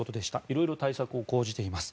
色々、対策を講じています。